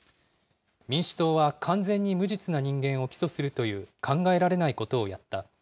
民主党は完全に無実な人間を起訴するという考えられないことをやった。